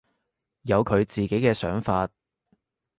有佢自己嘅想法